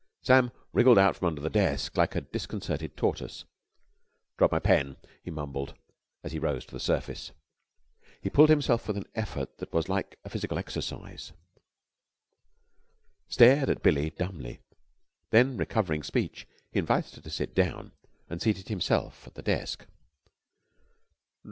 Sam wriggled out from under the desk like a disconcerted tortoise. "Dropped my pen," he mumbled, as he rose to the surface. He pulled himself with an effort that was like a physical exercise. He stared at Billie dumbly. Then, recovering speech, he invited her to sit down, and seated himself at the desk.